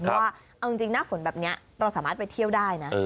เพราะว่าเอาจริงหน้าฝนแบบนี้เราสามารถไปเที่ยวได้นะ